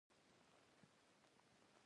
غزني د افغانستان په اوږده تاریخ کې ذکر شوی دی.